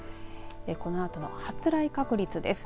このあとの発雷確率です。